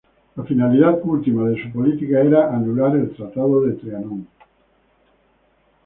La finalidad última de su política era anular el Tratado de Trianon.